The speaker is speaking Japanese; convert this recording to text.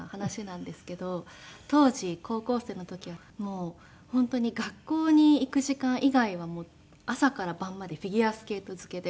当時高校生の時はもう本当に学校に行く時間以外は朝から晩までフィギュアスケート漬けで。